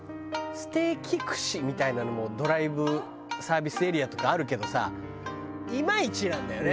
ステーキ串みたいなのもドライブサービスエリアとかあるけどさいまいちなんだよね。